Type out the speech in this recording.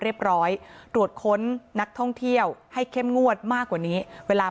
เรียบร้อยตรวจค้นนักท่องเที่ยวให้เข้มงวดมากกว่านี้เวลา